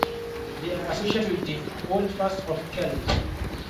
They are associated with the holdfasts of kelp.